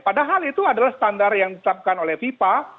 padahal itu adalah standar yang ditetapkan oleh fifa